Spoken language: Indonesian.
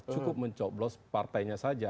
cukup mencoblos partainya saja